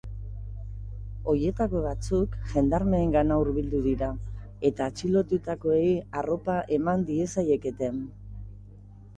Hoietako batzuk jendarmeengana hurbildu dira, eta atxilotutakoei arropa eman diezaieketen galdetu diete.